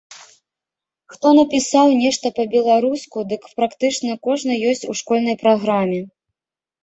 Хто напісаў нешта па-беларуску, дык практычна кожны ёсць у школьнай праграме.